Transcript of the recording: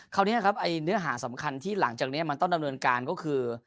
คราวนี้ครับไอ้เนื้อหาสำคัญที่หลังจากนี้มันต้องดำเนินการก็คือ